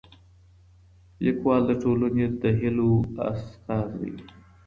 ليکوال د ټولني د هيلو استازی وي.